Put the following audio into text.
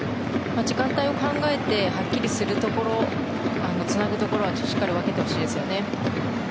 時間帯を考えてはっきりするところつなぐところはしっかりと分けてほしいですね。